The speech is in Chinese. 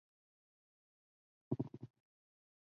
其省域为今河北省北部承德市一带。